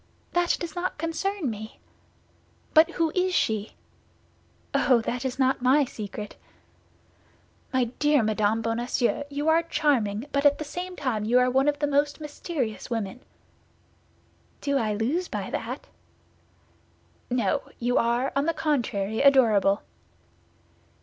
"That does not concern me." "But who is she?" "Oh, that is not my secret." "My dear Madame Bonacieux, you are charming; but at the same time you are one of the most mysterious women." "Do I lose by that?" "No; you are, on the contrary, adorable."